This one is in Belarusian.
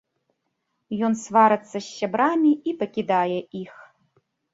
Ён сварыцца з сябрамі і пакідае іх.